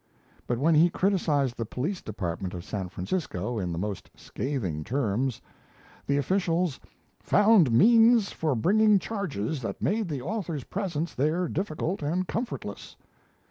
But when he criticized the police department of San Francisco in the most scathing terms, the officials "found means for bringing charges that made the author's presence there difficult and comfortless."